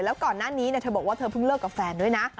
แล้วก่อนหน้านี้เธอบอกว่าเธอเพิ่งเลิกกับแฟนด้วยนะ